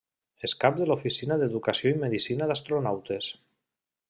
És Cap de l'Oficina d'Educació i Medicina d'Astronautes.